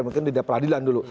mungkin di peradilan dulu